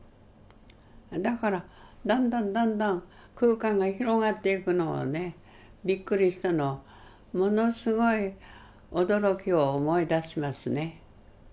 だからだんだんだんだん空間が広がっていくのをねびっくりしたのをものすごい驚きを思い出しますね。